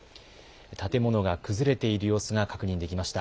建物が崩れている様子が確認できました。